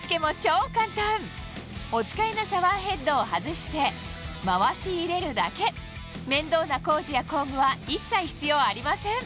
お使いのシャワーヘッドを外して回し入れるだけ面倒な工事や工具は一切必要ありません